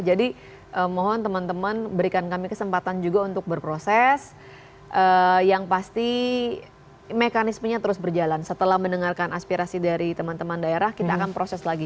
jadi mohon teman teman berikan kami kesempatan juga untuk berproses yang pasti mekanismenya terus berjalan setelah mendengarkan aspirasi dari teman teman daerah kita akan proses lagi